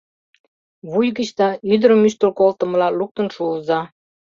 Вуй гычда ӱдырым ӱштыл колтымыла луктын шуыза...